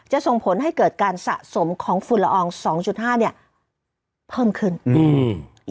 จะส่งผลให้เกิดการสะสมของฝุ่นละออง๒๕เนี่ยเพิ่มขึ้นอืม